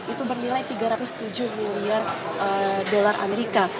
itu bernilai tiga ratus tujuh miliar dolar amerika